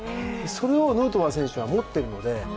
それをヌートバー選手は持っているので。